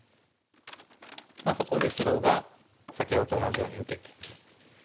そこで白が先ほどと同じように受けて。